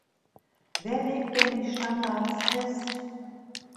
Wer legt denn die Standards fest?